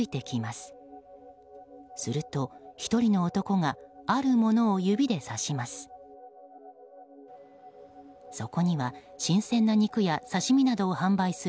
すると、１人の男があるものを指でさします。